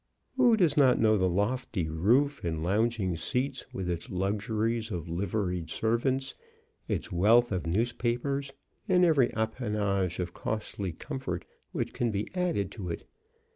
Who does not know the lofty roof and lounging seats, with its luxuries of liveried servants, its wealth of newspapers, and every appanage of costly comfort which can be added to it?